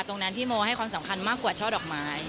ตรงนั้นที่โมให้ความสำคัญมากกว่าช่อดอกไม้